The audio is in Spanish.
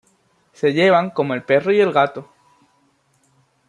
Se llevaban como el perro y el gato